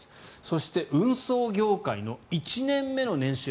そして、運送業界の１年目の年収